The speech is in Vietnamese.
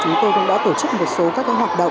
chúng tôi cũng đã tổ chức một số các hoạt động